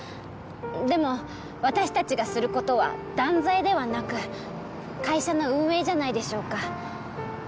でも私たちがすることは断罪ではなく会社の運営じゃないでしょうか？